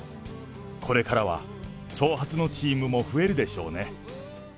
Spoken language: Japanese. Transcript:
これからは長髪のチームも増えるでしょうね。